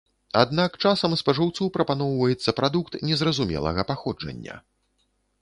Аднак часам спажыўцу прапаноўваецца прадукт незразумелага паходжання.